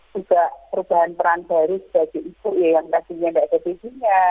perubahan peran baris bagi ibu yang pastinya tidak ada bedinya